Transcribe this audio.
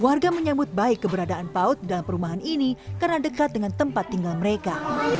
warga menyambut baik keberadaan paut dalam perumahan ini karena dekat dengan tempat tinggal mereka